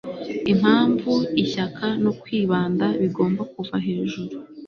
impamvu, ishyaka, no kwibanda bigomba kuva hejuru